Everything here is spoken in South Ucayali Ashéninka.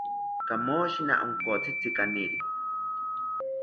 Kamoshina onkotzitzi kaniri